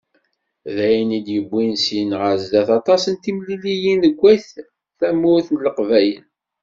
D ayen i d-yewwin syin ɣer sdat aṭas n temliliyin deg yakk tamurt n Leqbayel.